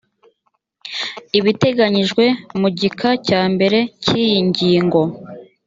ibiteganyijwe mu gika cya mbere cy iyi ngingo